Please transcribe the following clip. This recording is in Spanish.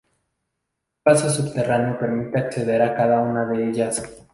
Un paso subterráneo permite acceder a cada una de ellas.